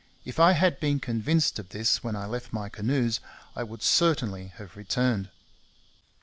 'If I had been convinced of this when I left my canoes, I would certainly have returned.'